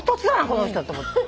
この人と。